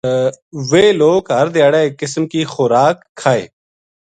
ویہ لوک ہر دھیاڑے ایک قسم کی خوراک کھائے